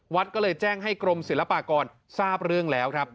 ก็เลยแจ้งให้กรมศิลปากรทราบเรื่องแล้วครับ